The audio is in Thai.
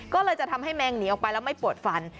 ก็เลยจะทำให้แมงหนีออกไปแล้วไม่ปวดฟัน